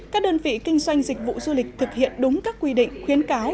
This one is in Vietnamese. các đơn vị kinh doanh dịch vụ du lịch thực hiện đúng các quy định khuyến cáo